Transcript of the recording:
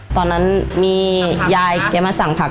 ตอนนั้นมียายแกมาสั่งผัก